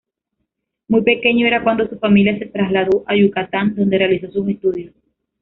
Muy pequeño era cuando su familia se trasladó a Yucatán, donde realizó sus estudios.